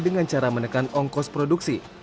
kenaikan cukai dengan cara menekan ongkos produksi